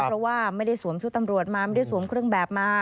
เพราะว่าไม่ได้สวมชุดตำรวจมาไม่ได้สวมเครื่องแบบมา